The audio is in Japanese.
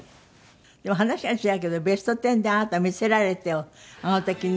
でも話は違うけど『ベストテン』であなた『魅せられて』をあの時ね。